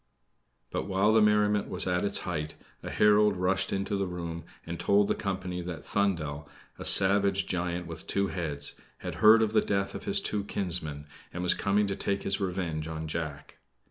But while the merriment was at its height, a herald rushed into the room and told the company that Thundel, a savage giant with two heads, had heard of the death of his two kinsmen, and was come to take his revenge on Jack.